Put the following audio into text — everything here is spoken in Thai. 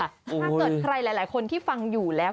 ถ้าเกิดใครหลายคนที่ฟังอยู่แล้ว